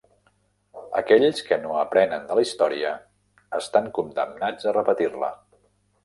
Aquells que no aprenen de la història, estan condemnats a repetir-la.